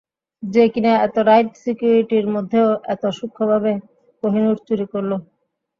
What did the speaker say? যে কিনা এত টাইট সিকিউরিটির মধ্যেও এত সুক্ষ্মভাবে কোহিনূর চুরি করল।